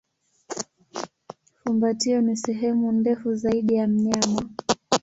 Fumbatio ni sehemu ndefu zaidi ya mnyama.